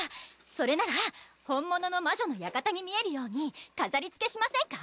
それなら本物の魔女の館に見えるようにかざりつけしませんか？